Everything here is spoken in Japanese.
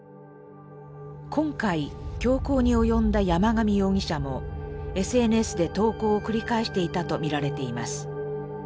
今回凶行に及んだ山上容疑者もＳＮＳで投稿を繰り返していたと見られています。